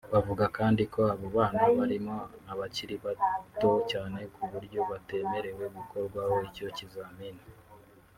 Bavuga kandi ko abo bana barimo abakiri bato cyane ku buryo batemerewe gukorwaho icyo kizamini